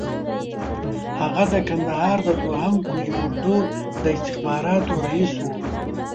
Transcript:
هغه د کندهار د دوهم قول اردو د استخباراتو رییس وو.